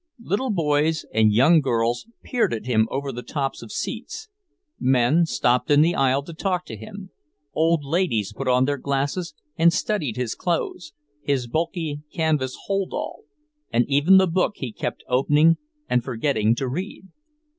Little boys and young girls peered at him over the tops of seats, men stopped in the aisle to talk to him, old ladies put on their glasses and studied his clothes, his bulky canvas hold all, and even the book he kept opening and forgetting to read.